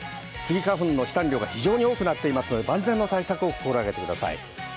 スギ花粉の飛散量が非常に多くなっていますので万全の対策を心がけてください。